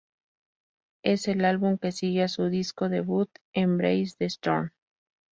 Es el álbum que sigue a su disco debut "Embrace the Storm".